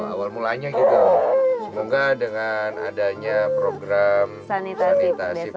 awal mulanya juga dengan adanya program sanitasi